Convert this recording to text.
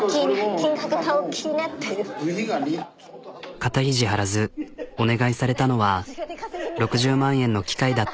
肩肘張らずお願いされたのは６０万円の機械だった。